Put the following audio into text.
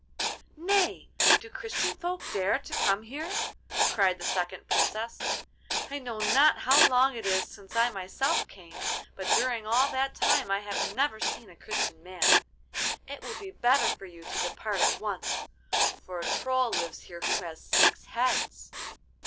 'Nay! do Christian folk dare to come here?' cried the second Princess. 'I know not how long it is since I myself came, but during all that time I have never seen a Christian man. It will be better for you to depart at once, for a Troll lives here who has six heads.